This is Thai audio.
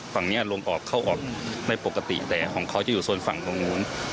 ฝั่งนี้ลมออกเข้าออกไม่ปกติแต่ของเขาจะอยู่โซนฝั่งตรงนู้น